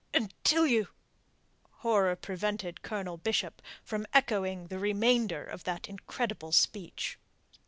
"Until you..." Horror prevented Colonel Bishop from echoing the remainder of that incredible speech.